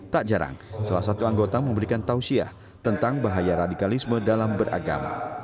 tak jarang salah satu anggota memberikan tausiah tentang bahaya radikalisme dalam beragama